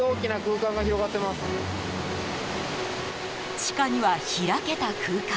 地下には開けた空間。